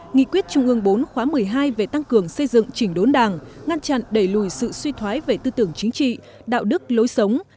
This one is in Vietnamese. nghị quyết trung ương bốn khóa một mươi hai về tăng cường xây dựng chỉnh đốn đảng ngăn chặn đẩy lùi sự suy thoái về tư tưởng chính trị đạo đức lối sống